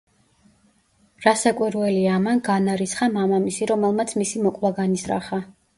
რასაკვირველია, ამან განარისხა მამამისი, რომელმაც მისი მოკვლა განიზრახა.